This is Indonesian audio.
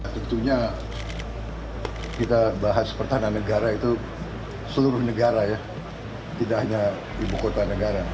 tentunya kita bahas pertahanan negara itu seluruh negara ya tidak hanya ibu kota negara